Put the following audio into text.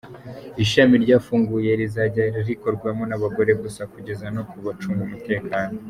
Ishami ryafunguye rizajya rikorwamo n’abagore gusa kugeza no ku bacunga umutekano.